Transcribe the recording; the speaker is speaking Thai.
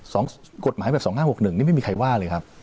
กฎหมายแบบสองห้าหกหนึ่งนี่ไม่มีใครว่าเลยครับ